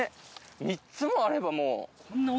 ３つもあればもう。